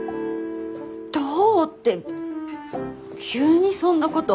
どうって急にそんなこと。